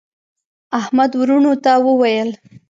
احمد وروڼو ته وویل: